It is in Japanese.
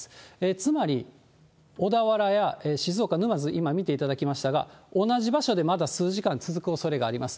つまり、小田原や静岡、沼津、今、見ていただきましたが、同じ場所でまだ数時間続くおそれがあります。